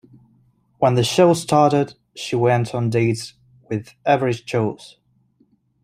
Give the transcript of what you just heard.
When the show started she went on dates with "average Joes".